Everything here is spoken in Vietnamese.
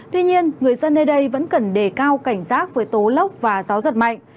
tuy nhiên người dân nơi đây vẫn cần đề cao cảnh giác với tố lốc và gió giật mạnh